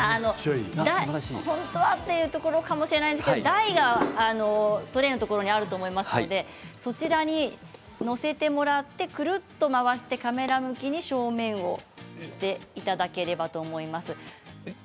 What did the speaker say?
本当は、というところかもしれませんが台のところにトレーがあると思いますのでそちらに載せてもらってくるっと回してカメラ向きに正面をしていただければと思います。